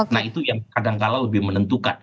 nah itu yang kadang kadang lebih menentukan